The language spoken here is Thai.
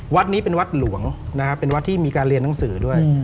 วัดนี้เป็นวัดหลวงนะครับเป็นวัดที่มีการเรียนหนังสือด้วย